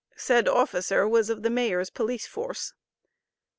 Said officer was of the mayor's police force.